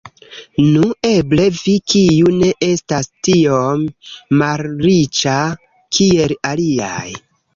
Nu, eble vi, kiu ne estas tiom malriĉa kiel aliaj.